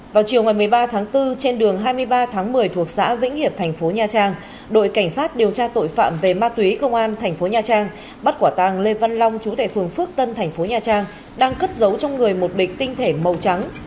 vào chiều một mươi ba tháng bốn trên đường hai mươi ba tháng một mươi thuộc xã vĩnh hiệp tp nha trang đội cảnh sát điều tra tội phạm về ma túy công an tp nha trang bắt quả tàng lê văn long chú tệ phường phước tân tp nha trang đang cất giấu trong người một bịch tinh thể màu trắng